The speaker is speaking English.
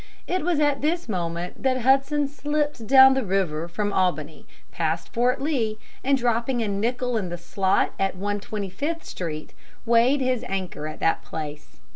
It was at this moment that Hudson slipped down the river from Albany past Fort Lee, and, dropping a nickel in the slot at 125th Street, weighed his anchor at that place.